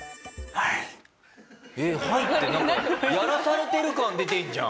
「はい」ってなんかやらされてる感出てるじゃん！